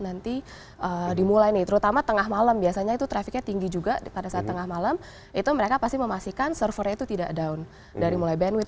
jangan sampai down pada saat nanti dimulai nih terutama tengah malam biasanya itu trafficnya tinggi juga pada saat tengah malam itu mereka pasti memastikan server nya itu tidak down dari mulai bandwidth